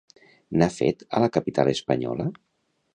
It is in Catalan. N'ha fet a la capital espanyola?